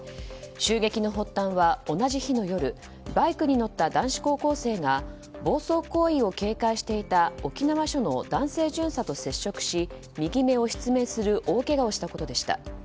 襲撃の発端は、同じ日の夜バイクに乗った男子高校生が暴走行為を警戒していた沖縄署の男性巡査と接触し右目を失明する大けがをしたことでした。